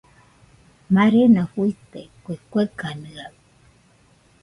Marena fuite kue kueganɨaɨ